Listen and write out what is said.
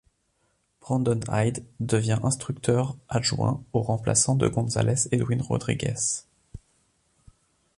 Brandon Hyde devient instructeur adjoint au remplaçant de González, Edwin Rodríguez.